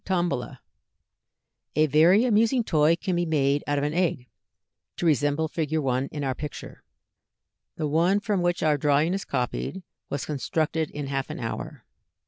2.] A very amusing toy can be made out of an egg, to resemble Fig. 1 in our picture. The one from which our drawing is copied was constructed in half an hour.